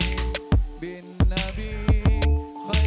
sahabat sahabatku yang paling ujung